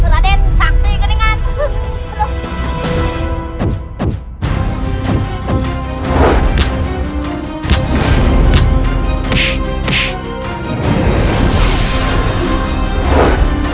raden sakti keringan